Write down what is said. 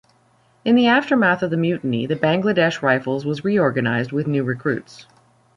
In the aftermath of the mutiny, the Bangladesh Rifles was reorganised with new recruits.